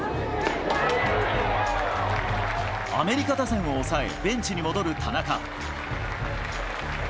アメリカ打線を抑え、ベンチに戻る田中。